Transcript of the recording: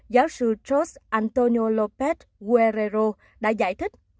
giáo sư george antonio lopez guerrero đã giải thích